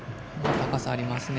高さありますね。